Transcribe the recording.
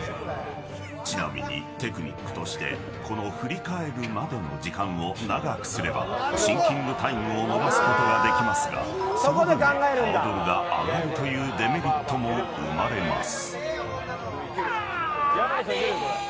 ちなみに、テクニックとしてこの振り返るまでの時間を長くすればシンキングタイムを伸ばすことができますがその分ハードルが上がるというデメリットも生まれます。